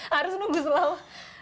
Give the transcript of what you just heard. harus nunggu selama